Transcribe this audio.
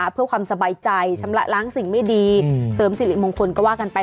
เพื่อความสบายใจชำระล้างสิ่งไม่ดีเสริมสิริมงคลก็ว่ากันไป